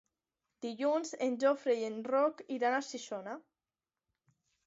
Dilluns en Jofre i en Roc iran a Xixona.